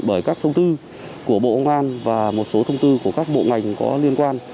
bởi các thông tư của bộ công an và một số thông tư của các bộ ngành có liên quan